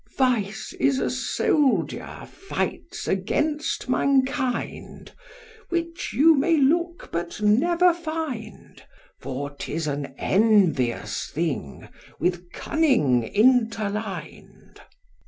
Vice is a soldier fights against mankind; Which you may look but never find: For 'tis an envious thing, with cunning interlined.